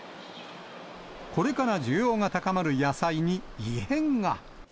これから需要が高まる野菜に異変が。